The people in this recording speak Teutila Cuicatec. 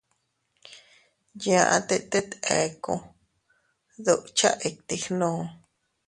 Yaʼte tet eku, dukcha iti gnu.